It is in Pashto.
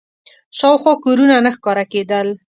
شاوخوا کورونه نه ښکاره کېدل.